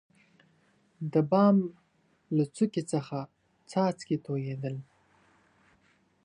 دبام له څوکي څخه څاڅکي تویدل.